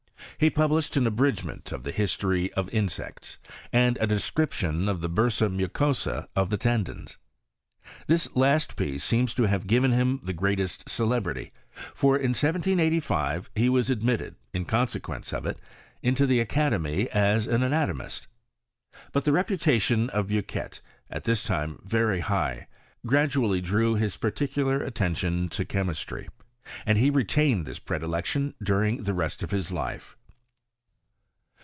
He published an Abridg ment of the History of Insects, and a Descrip tion of the Bursie Mticosffi of the Tendons. This last piece seems to have given htm the greatest celebrity; for in 1785 he was admitted, in con sequence of it, into the academy as an anatomist. But the reputation of Bucqnet, at that time very high, gradually drew his particular attention to chemistry, and he retained this predilection during' the rest of his life.